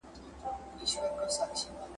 هیوادونه څنګه سیاسي بندیان خوشي کوي؟